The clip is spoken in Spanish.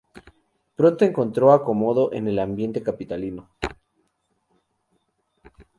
Pronto encontró acomodo en el ambiente capitalino.